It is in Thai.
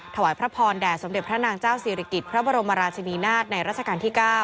ถวายพระพรแด่สมเด็จพระนางเจ้าศิริกิจพระบรมราชินีนาฏในราชการที่๙